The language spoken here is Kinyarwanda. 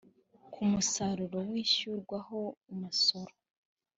ku musaruro wishyurwaho umusoro